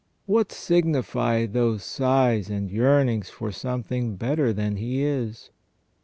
What signify those sighs and yearnings for something better than he is